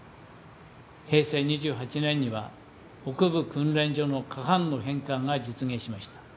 平成２８年には、北部訓練場の過半の返還が実現しました。